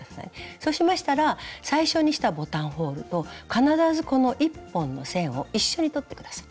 そうしましたら最初にしたボタンホールと必ずこの１本の線を一緒に取って下さい。